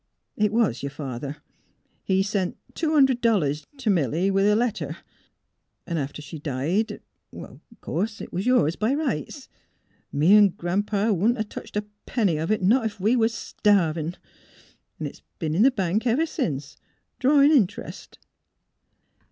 " It was your father. He sent two hundred dollars t' — t' Milly, with a let ter. 'N' after she died, it — 'course 'twas yourn by rights. Me 'n' Gran 'pa wouldn't a touched a penny of it — not ef we was starvin'. It's been in the bank ever since, drawin' interest.